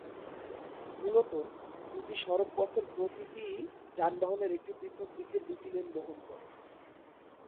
মূলত, দুটি সড়ক পথের প্রতিটিই যানবাহনের একটি পৃথক দিকের দুটি লেন বহন করে।